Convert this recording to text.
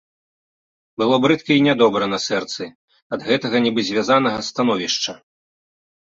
Было брыдка і нядобра на сэрцы ад гэтага, нібы звязанага, становішча.